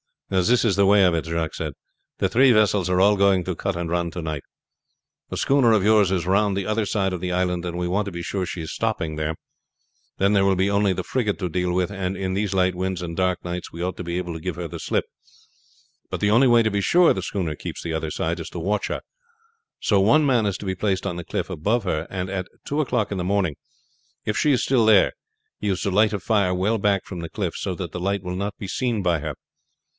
"This is the way of it," Jacques said. "The three vessels are all going to cut and run to night. That schooner of yours is round the other side of the island, and we want to be sure she is stopping there, then there will only be the frigate to deal with, and in these light winds and dark nights we ought to be able to give her the slip; but the only way to be sure the schooner keeps the other side is to watch her. So one man is to be placed on the cliff above her, and at two o'clock in the morning, if she is still there, he is to light a fire well back from the cliff, so that the light will not be seen by her.